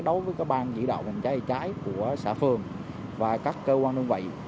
đối với các ban dự đoạn phòng cháy chữa cháy của xã phường và các cơ quan đơn vị